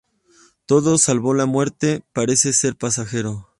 Todo, salvo la muerte, parece ser pasajero.